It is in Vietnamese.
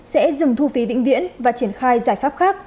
sẽ dừng thu phí vĩnh viễn và triển khai giải pháp khác